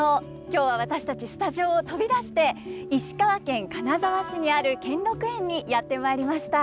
今日は私たちスタジオを飛び出して石川県金沢市にある兼六園にやって参りました。